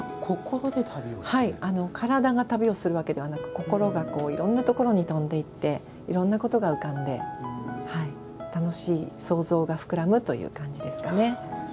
体が旅をするわけではなく心がいろんなところに飛んでいっていろんなことが浮かんで楽しい想像が膨らむという感じですかね。